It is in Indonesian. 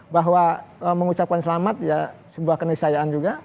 bahwa mengucapkan selamat ya sebuah kenisayaan juga